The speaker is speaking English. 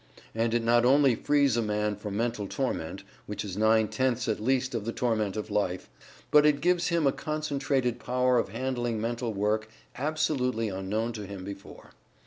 And it not only frees a man from mental torment (which is nine tenths at least of the torment of life), but it gives him a concentrated power of handling mental work absolutely unknown to him before.